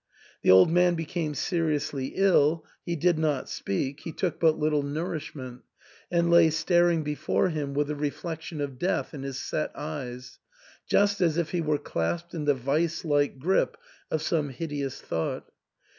The old man became seriously ill ; he did not speak ; he took but little nourishment ; and lay staring before him with the reflection of death in his set eyes, just as if he were clasped in the vice like grip of some hideous thought.